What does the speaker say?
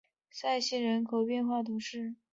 塞西人口变化图示